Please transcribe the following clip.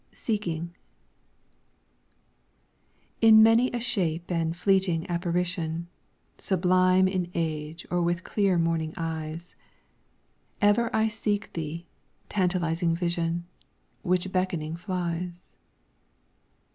SEEKING In many a shape and fleeting apparition, Sublime in age or with clear morning eyes, Ever I seek thee, tantalizing Vision, Which beckoning flies.